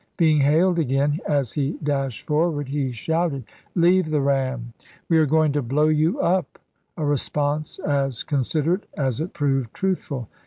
Being hailed again, ^Narra?' as he dashed forward, he shouted, " Leave the ram. ut lupra. We are going to blow you up," a response as consid erate as it proved truthful.